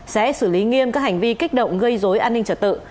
sẽ xử lý nghiêm các hành vi kích động gây dối an ninh trật tự